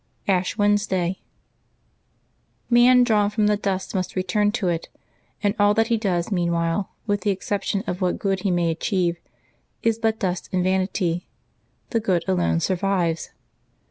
ASH WEDNESDAY. j'Y^AN', drawn from the dust, must return to it, and M4 all that he does meanwhile, with the exception of what good he may achieve, is but dust and vanity; the good alone survives.